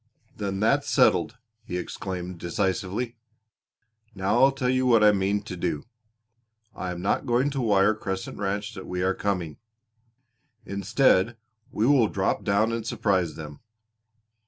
"Then that's settled," he exclaimed decisively. "Now I'll tell you what I mean to do. I am not going to wire Crescent Ranch that we are coming. Instead we will drop down and surprise them.